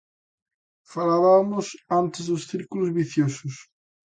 Falabamos antes dos círculos viciosos.